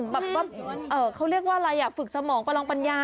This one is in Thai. แบบว่าเขาเรียกว่าอะไรอ่ะฝึกสมองประลองปัญญา